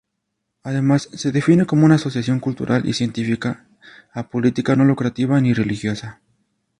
Además se define como una asociación cultural y científica, apolítica, no lucrativa, ni religiosa.